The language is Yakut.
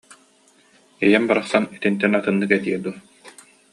«Ийэм барахсан итинтэн атыннык этиэ дуо